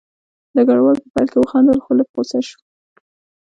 ډګروال په پیل کې وخندل خو لږ غوسه شو